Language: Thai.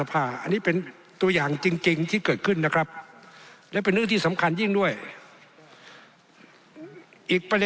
เขาเห็นด้วยกับสิ่งที่เราได้ดำเนินการ